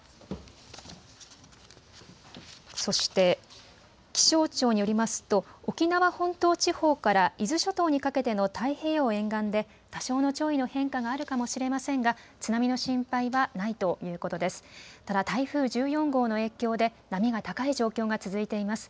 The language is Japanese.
そして、気象庁によりますと沖縄本島地方から伊豆諸島にかけての太平洋沿岸で多少の潮位の変化があるかもしれませんが津波の心配はないということです。